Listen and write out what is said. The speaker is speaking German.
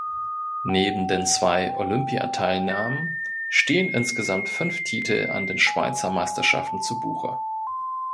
Neben den zwei Olympiateilnahmen stehen insgesamt fünf Titel an den Schweizer Meisterschaften zu Buche.